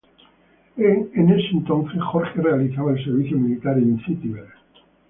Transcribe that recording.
En ese entonces, Jorge realizaba el servicio militar en City Bell.